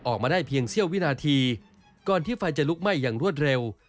ออกมาได้เพียงเสี้ยววินาทีก่อนที่ไฟจะลุกไหม้อย่างรวดเร็ว